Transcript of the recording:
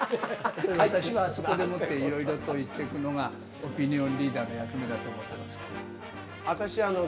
私はあそこでもっていろいろと言っていくのが、オピニオンリーダーの役目だと思ってますから。